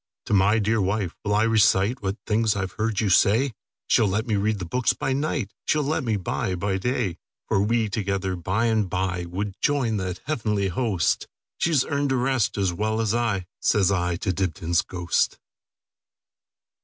"To my dear wife will I reciteWhat things I 've heard you say; She 'll let me read the books by nightShe 's let me buy by day. For we together by and byWould join that heavenly host; She 's earned a rest as well as I,"Says I to Dibdin's ghost.